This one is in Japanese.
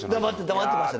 黙ってました